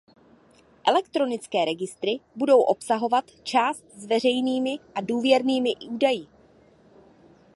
Elektronické registry budou obsahovat část s veřejnými a důvěrnými údaji.